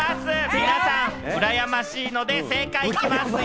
皆さん羨ましいので、正解行きますよ？